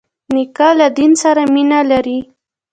نیکه له دین سره مینه لري.